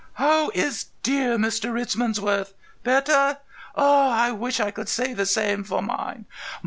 How is dear Mr. Richmansworth? Better! Ah, I wish I could say the same for mine.